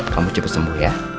kamu cepet sembuh ya